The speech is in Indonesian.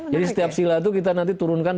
jadi setiap sila itu kita nanti turunkan